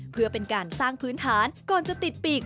เพื่อเป็นการสร้างพื้นฐานก่อนจะติดปีก